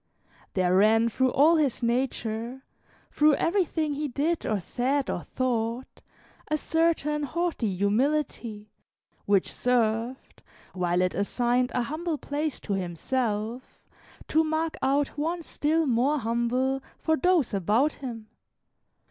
There ran through all his nature, through everything he did or said or thought, a certain haughty humility, which served, while it assigned an humble place to himself, to mark out one still more humble for those about him.